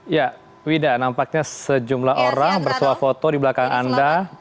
ya wida nampaknya sejumlah orang bersuah foto di belakang anda